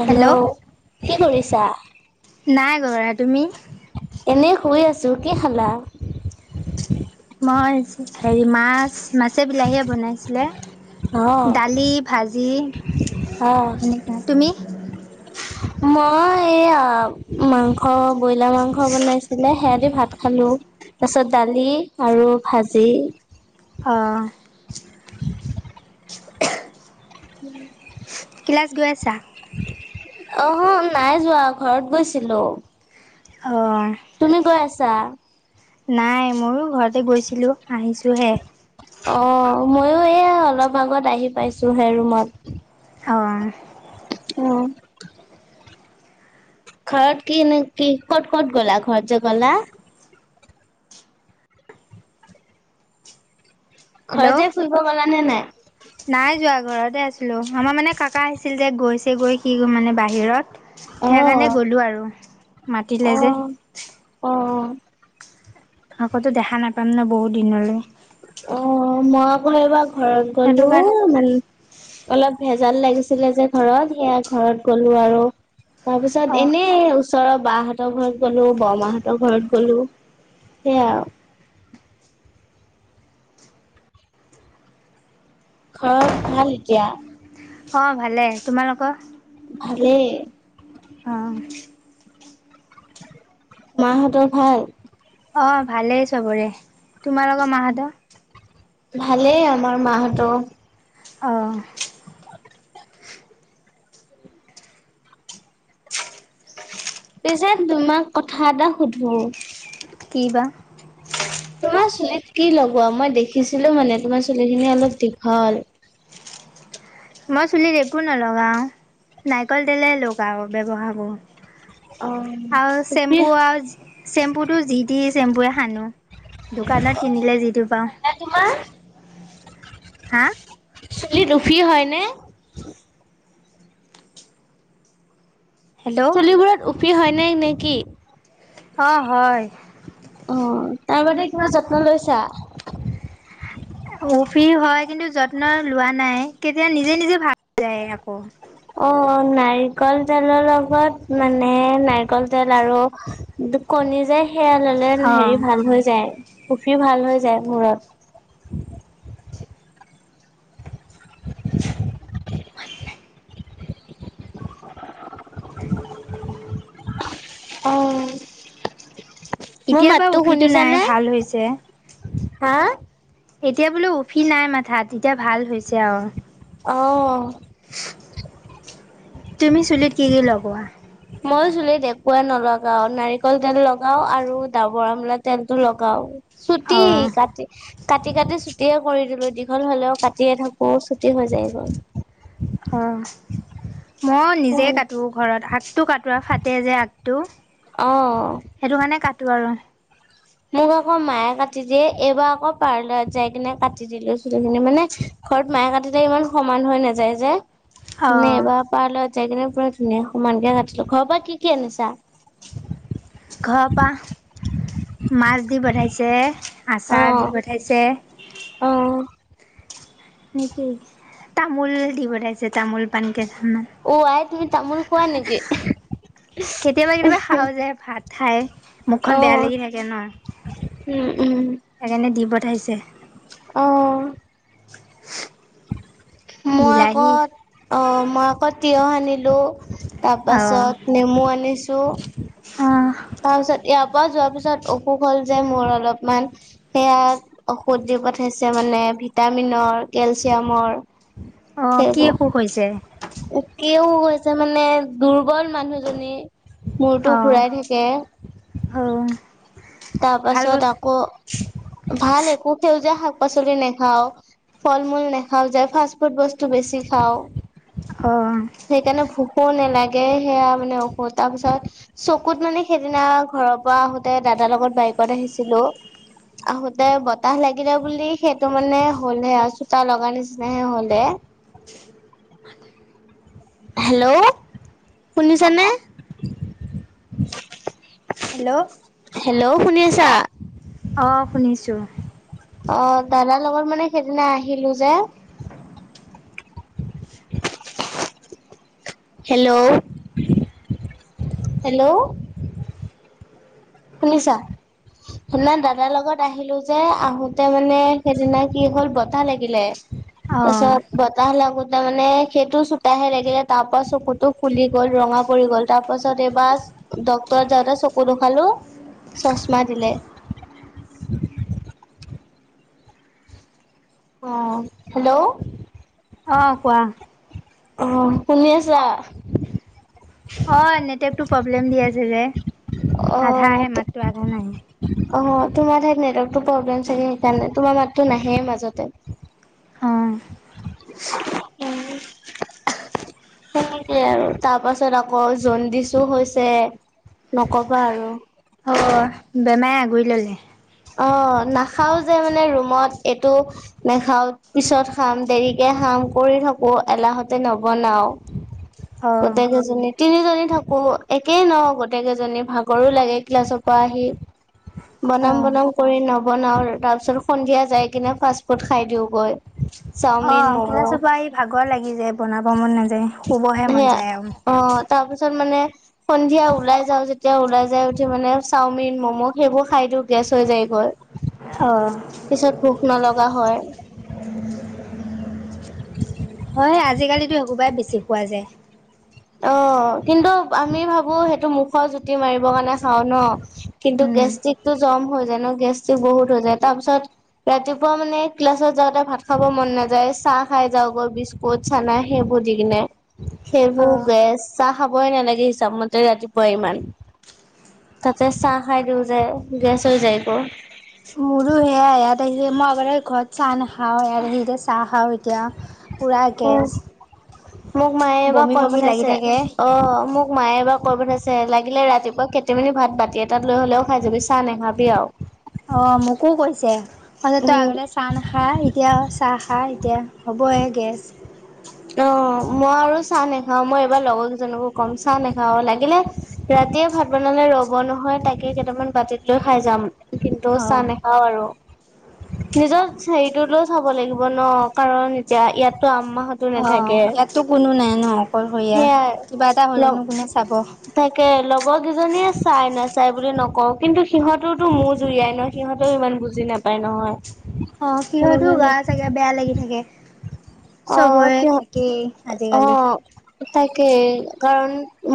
Hello কি কৰিছা নাই কৰা তুমি এনেই শুই আছোঁ কি খালা মই হেৰি মাছ মাছে বিলাহীয়ে বনাইছিলে অ', দালি ভাজি অ'। সেনেকুৱা তুমি মই এই মাংস ব্ৰইলাৰ মাংস বনাইছিলে হেয়াতি ভাত খালো তাৰপিছত দালি আৰু ভাজি অহ উম ক্লাচ গৈ আছা অ নাই যোৱা ঘৰত গৈছিলো। অঁ তুমি গৈ আছা? নাই ময়ো ঘৰতে গৈছিলো আহিছোঁহে। অ ময়ো এয়া অলপ আগত আহি পাইছোহে ৰুমত। অঁ আহ ঘৰত কি নে কি ক'ত কত গলা ঘৰত যে গলা? ঘৰ হেল্ল' যে ফুৰিব গলা নে নাই? নাই যোৱা ঘৰতে আছিলো, আমাৰ মানে কাকা আহিছিল যে গৈছে গৈ কি মানে বাহিৰত। সেইকাৰণে গ'লো আৰু অ', মাতিলে যে অ', অ'। আকৌতো দেখা নাপাম ন বহুত দিনলৈ। অ মই আকৌ এইবাৰ ঘৰত সেইটো গলো কাৰণে মানে। অলপ ভেজাল লাগিছিলে যে ঘৰত সেয়া ঘৰত গলো আৰু। তাৰ পিছত অঁ এনে ওচৰৰ বাহঁতৰ ঘৰত গলো বৰমাহঁতৰ ঘৰত গলো সেইয়াই আৰু। [unintelligible] ঘৰত ভাল্ এতিয়া? অ ভালে তোমালোকৰ? ভালে অ মাহঁতৰ ভাল? অ ভালেই চবৰে। তোমাৰ লগ মাহঁত? ভালেই আমাৰ মাহঁত। অ', পিছে তোমাক কথা এটা সুধো? কি বা? তোমাৰ চুলিত কি লগোৱা মই দেখিছিলো মানে তোমাৰ চুলিখিনি অলপ দীঘল? মই চুলিত একো নলগাও, নাৰিকল তেলে লগাও ব্যৱহাৰ কৰোঁ। আৰু অ' উফি চেম্পু হয় আৰু যি, চেম্পুটো যি দি চেম্পুয়ে সানো। দোকানত কিনিলে যিটো পাওঁ। নে তোমাৰ হা? চুলিত উফি হয় নে? হেল্ল'? চুলিবোৰত উফি হয়নে, নে কি? অ', হয়, অ', তাৰ বাবে কিবা যত্ন লৈছা? এ উফি হয় কিন্তু যত্ন লোৱা নাই, তেতিয়া নিজে নিজে ভাল হৈ যায় আকৌ। অ', নাৰিকল তেলৰ লগত, মানে নাৰিকল তেল আৰু কণী যে সেয়া ল'লে অ', হেৰি ভাল হৈ যায়। উফি ভাল হৈ যায় মূৰত। [inaudible] অ', মোৰ এতিয়াটো মাতটো উফিটো নাই শুনিছানে? ভাল হৈছে। হা? এতিয়া বোলো উফি নাই মাথাাত, এতিয়া ভাল হৈছে আৰু। অ', তুমি চুলিত কি কি লগোৱা? ময়ো চুলিত একোৱে নলগাও নাৰিকল তেল লগাও আৰু ডাবৰ আমলা তেলটো লগাও। ছুটি অ'। কাটি কাটি কাটি চুটিয়ে কৰি দিলোঁ, দীঘল হলেও কাটিয়ে থাকোঁ ছুটি হৈ যায় [unintelligible] অ', মই নিজে অ', কাটো ঘৰত আগটো কটোৱা কাটে যে আগটো। অ'। সেইটো কাৰণে কাটো আৰু। মোক আকৌ মায়ে কাটি দিয়ে এইবাৰ আকৌ পাৰ্লাৰত যাই কিনে কাটি দিলে চুলিখিনি মানে, ঘৰত মাই সতি [unintelligible] ইমান সমান হৈ নাযায় যে অ', এবাৰ পা লৈ, জাই কিনে পুৰা ধুনীয়া সমানকে কাটিলো, ঘৰৰ পৰা কি কি আনিছা? ঘৰৰ পৰা মাছ দি পঠাইছে, আচাৰ অ', দি পঠাইছে। অ', নেকি, তামোল দি পঠাইছে তামোল পান। কেতিয়াবা অ' আই তুমি তামোল খোৱা নেকি? কেতিয়াবা খাওঁ যায় ভাত। খাই। মুখখন বেয়া অ', লাগি থাকে ন, উম, উম, সেইকাৰণে দি পঠাইছে। [inaudible] অ', মই আকৌ বিলাহী অ, মই আকৌ তিয়হ আনিলো। অ', তাৰপাছত নেমু আনিছোঁ। অ', তাৰপিছত ইয়াৰ পৰা যোৱাৰ পিছত অসুখ হ'ল যে মোৰ অলপমান সেয়া ঔখধ দি পঠাইছে মানে ভিটামিনৰ কেলচিয়ামৰ। অ, কি অসুখ হৈছে? কি হৈছে মানে দুৰ্বল মানুহজনী মূৰতো অ', ঘুৰাই থাকে। এ অ', তাৰ ভাল পাছত বস্তু আকৌ ভাল একো সেউজীয়া শাক পাচলি নাখাও। ফল মূল নেখাও যে, ফাষ্ট ফুড বস্তু বেছি খাওঁ। অহ সেইকাৰণে ভোকো নালাগে সেয়া মানে অসুখ, তাৰপিছত চকুত মানে সেইদিনা ঘৰত ত পৰা আহোতে দাদাৰ লগত বাইকত আহিছিলো আহোতে বতাহ লাগিলে বুলি সেইটো মানে হ'লহে আৰু চোতা লগাৰ নিচিনাহে হ'লে [inaudible] হেল্ল' শুনিছানে? হেল্ল' হেল্ল' শুনিছা? আহ, শুনিছো। অ, দাদাৰ লগত মানে সেইদিনা আহিলো যে, হেল্ল', হেল্ল', শুনিছা? শুনা, দাদাৰ লগত আহিলো যে আহোতে মানে সেইদিনা কি হ'ল বতাহ লাগিলে। তাৰ অ', পিছত বতাহ লাগোতোৰ মানে সেইটো চোতাহে লাগিলে তাৰ পৰা চকুতটো ফুলি গ'ল ৰঙা ৰঙা পৰি গ'ল তাৰ পাছত এইবাৰ ডক্তৰত যাওঁতে চকু দেখালো চশমা দিলে। অ' হেল্ল' অ' কোৱা? আহ, শুনি আছা। অ' নেটৱৰ্কটো প্ৰব্লেম দি আছে যে আধা অ', আহে মাতো আধা নাই অ' তোমাৰ ঠাইত নেটৱৰ্কটো প্ৰব্লেম চাগে সেইকাৰণে তোমাৰ মাতটো নাহে মাজতে অ', উম, সেনেকে আৰু তাৰ পাছত আকৌ জণ্ডিছো হৈছে। নকবা আৰু অ' বেমাৰে আগুৰি ললে অ' নাখাও যে মানে ৰুমত এইটো নাখাওঁ, পিছত খাম দেৰিকে খাম কাম কৰি থাকো এলাহতে নবনাও অ', গোটেই কেইজনী তিনিজনী থাকো একেই ন গোটেই কেইজনী ভাগৰো লাগে ক্লাছৰ পৰা আহি বনাম বনাম অ'। কৰি নবনাওঁ তাৰ পিছত সন্ধিয়া যাই কিনে ফাষ্ট ফুড খাই দিওঁগৈ চাওমিন অ' ক্লাছ ম'ম' পৰা আহি ভাগৰ লাগি যায় বনাব মন নাযায় শুবহে মন যায় আৰু তাৰ পিছত মানে সন্ধিয়া ওলাই যাওঁ যেতিয়া ওলাই যাই উঠি মানে চাওমিন ম'ম' সেইবোৰ খাই এইটো গেছ হৈ যায় গৈ অহ নলগা হয় [unintelligible] হয় আজিকালিতো এই সোবাই বেছি পোৱা যায়। অ' কিন্তু আমি ভাবো সেইটো মুখৰ জুতি মাৰিব কাৰণে খাওঁ ন কিন্তু উম, গেষ্টিক টো জাম হৈ যায় ন গেছ বহুত হৈ যায় তাৰ পিছত ৰাতিপুৱা মানে ক্লাছত যাওঁতে ভাত খাব মন নাই। নাযায় চাহ খাই যাওঁ গৈ বিস্কুট চানা সেইবোৰ দি কিনে সেইবোৰ অ'। গেছ চাহ খাবই নালাগে হিচাপ মতে ৰাতিপুৱাই ইমান। তাতে চাহ খাই দিওঁ যে গেছ হৈ যায় আকৌ মোৰো সেয়া ইয়াত আহি মই আগ ঘৰত চাহ নাখাওঁ। ইয়াত আহি এতিয়া চাহ খাওঁ এতিয়া। পুৰা উম গেছ মোক মায়ে এবাৰ বমি কৈ বমি লাগি পঠাইছে থাকে অ' মোক। মায়ে এবাৰ কৈ পঠাইছে লাগিলে ৰাতিপুৱা কেটি মান ভাত বাতি এটাত লৈ হ'লেও খাই যাবি চাহ নাখাবি আৰু অ' মোকো কৈছে অ' তই উম, আগলৈ চাহ নাখাই এতিয়া চাহ খাহ এতিয়া হ'বহে গৈ অ মই আৰু চাহ নাখাও মই এইবাৰ লগৰ কেইজনকো কম চাহ নাখাওঁ লাগিলে ৰাতিয়ে ভাত বনালে ৰব নহয় তাকে কেইটামান বাতিত লৈ খাই যাম কিন্তু চাহ অ', নাখাওঁ আৰু। নিজৰ হেৰিটোলৈ চাব লাগিব ন কাৰণ এতিয়া ইয়াত ত আম্মাহত টো অ', নাথাকে। ইয়াততো কোনো নাই ন অকলশৰীয়া সেইয়াই কিবা এটা লগ হ'লেনো কোনে চাব থাকে লগ মইকেইজনীয়ে চাই নাচাই বুলি নকওঁ কিন্তু সিহঁতওতো মোৰ জুৰিয়াই নহ সিহঁতেও ইমান বুজি নাপ তাই নহয়। অ সিহতো গা চাগে বেয়া লাগি থাকে। অ', চবৰে এ থাকেই আজিকালি। তাকে কাৰণ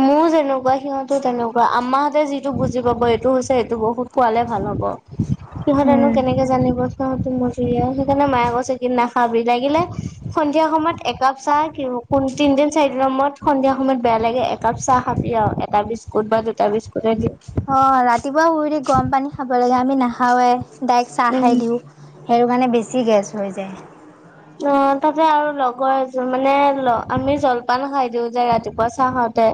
মোৰ যেনেকুৱা সিহঁতো তেনেকুৱা আম্মাহতে যিটো বুজি পাব এই টো হৈছে এটো ঔষধ খোৱালে ভাল হব, সিহঁতেনো উম কেনেকে জানিব। গ মজুৰি সেইকাৰণে মায়ে কচে নাখাবি লাগিলে সন্ধিয়া সময়ত একাপ চাহ কি হ ক তিনদিন চাৰি দিনৰ ময়ৰত সন্ধিয়া সময়ত বেয়া লাগে একাপ চাহ খাবি আৰু এটা বিস্কুট স্কুট বা দুটা বিস্কুট দিয়ে। অ' ৰাতিপুৱা শুই উঠি গৰম পানী খাব লাগে আমি নাখাওে ডাইৰেক্ট চাহ উম খাই দিওঁ। সেইটো কাৰণে বেছি গেছ হৈ যায়। অ' তাতে আৰু লগৰ এ মানে আমি জলপান খাই দিওঁ যে ৰাতিপুৱা চাহ খাওঁতে।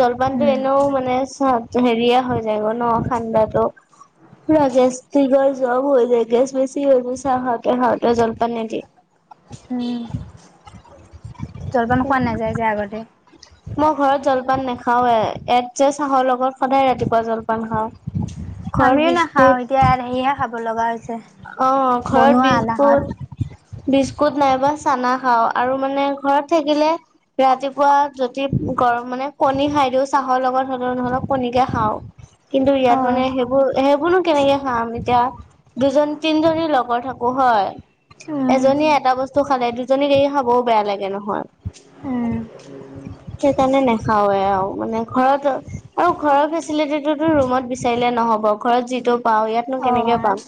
জলপানতটো উম এনেও মানে চ হেৰিয়া হৈ যায় গ ন ঠাণ্ডাটো। পুৰা গেছট্ৰিক আৰু জ্বৰ হৈ যায় গেছ বেছি হৈ যায় চাহ খাওঁতে খাওঁতে জলপান নি দিয়ে উম [unintelligible] জলপান খোৱা নাযায় যোয় আগতে। মই ঘৰত জলপান নাখাৱে এট যে চাহৰ লগত সদায় ৰাতিপুৱা জলপান খাওঁ। ঘৰত আমিও নাখাও বিস্কুট এতিয়া ইয়াত আহিয়ে খাব লগা হৈছ অ ঘৰত বিজবুৰ বিস্কুত নাইবা চানা খাও আৰু মানে ঘৰত থাকিলে ৰাতিপুৱা যদি গৰম মানে কণী খাই দিও চাহৰ লগত হলেও নহলেও কণীকে খাওঁ। কিন্তু ইয়াত মানে অ', সেইবোৰ সেইবোৰনো কেনেকে খাম এতিয়া। দুজন তিনিজনী লগৰ থাকো হয়। উম, এজনীয়ে এটা বস্তু খালে দুজনীক এৰি খাবও বেয়া লাগে নহয়। উ। সেইকাৰণে নেখাওঁৱে আৰু মানে ঘৰত আৰু ঘৰৰ ফেচিলিটিটোতো ৰুমত বিচাৰ ৰিলে নহ'ব ঘৰত যিটো পাওঁ ইয়াতনো কেনেকে অ', পাম।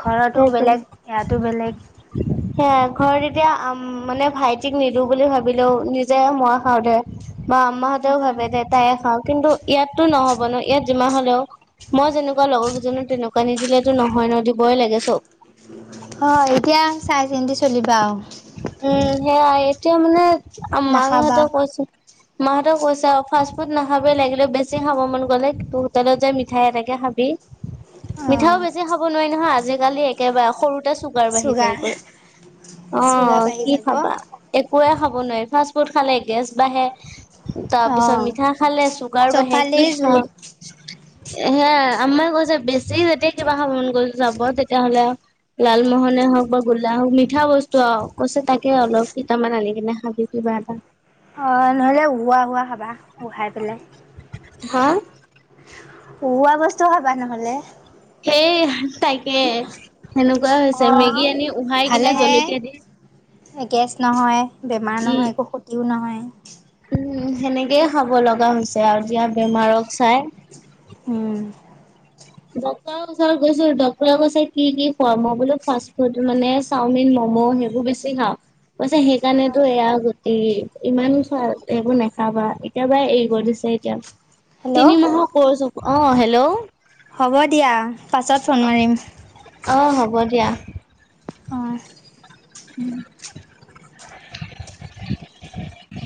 ঘৰতো বেলেগ ইয়াতো বেলেগ সেয়াই। ঘৰত এতিয়া আম, মানে ভাইটিক নিদো বুলি ভাবিলেও নিজে মই খাওঁ দে। বা আম্মাহঁতেও উম, ভাবে যে তায়ে খাওঁ কিন্তু ইয়াতো নহ'ব ন', ইয়াত যিমান হ'লেও মই যেনেকুৱা লগৰ কেইজনো তেনেকুৱা নিদিলেতো নহয় ন' দিবই লাগে চব। অ', এতিয়া চাই চিন্তি চলিবা আৰু। উম, সেয়াই এতিয়া মানে নাখাবা মাহঁতেও কৈছে মাহঁতক কৈছে ফাষ্ট ফুড নাখাবি লাগিলে বেছি খাব মন গ'লে হোটেলত যায় মিঠাই এটকে খা বি মিঠাও অ', বেছি খাব নোৱাৰি নহয় আজিকালি একেবাৰে, সৰুতে চুপ গাৰ বাঢ়ি যায় চুগাৰ গৈ চুগাৰ অ', বাঢ়ি কি যাব খাবা একোৱে খাব নাই, ফাষ্ট ফুড খালে গেছ বাঢ়ে। তাৰপিছত অ', মিঠা খালে চুগাৰ বাঢ়ে, কি চবফালেই খাম? জুত এ সে আমাৰ কৈছে বেছি যেতিয়া কিবা খাদ গ যাব তেতিয়াহ'লে লালমোহন এ হওঁক বা গোল্লা হওঁক, মিঠা বস্ টো আও কৈছে তাকে অলপ, কেইটামান আনি কিনে খাবি কিবা এটা। এ উৱা, হোৱা খাবা, উহাই পেলাই। হা? উহোৱা বস্তু খাবা নহ'লে। সেই তাকে সেনেকুৱাই হৈছে, অ', মেগী আনি উহাই কিনে জলকীয়া দি এ গেছ নহয়, বেমাৰ উম, নহয়, একো ক্ষতিও নহয়। উম, সেনেকেই খাব লগা হৈছে আৰু যিয়া বেমাৰক চাই। উম, ডক্টৰৰ ওচৰত গৈছোঁ, ডক্টৰে কৈছে কি কি খোৱা? মই বোলো ফাষ্ট ফুড মানে চাওমিন ম'ম মম' সেইবোৰ বেছি খাওঁ। পিছে সেইকাৰণেতো এয়া গতি ইমান চ সেইবোৰ নাখাবা এতিয়াবাই এৰিব দিছে। এতিয়া হেল্ল' তিনি মাহৰ ক চ অ হেল্ল', হ'ব দিয়া পাছত ফোন মাৰিম। অঁ হ'ব দিয়া অ'। উম। [inaudible]